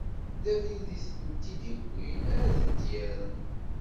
D abrid i tent-id-iwwin ara tent-irren.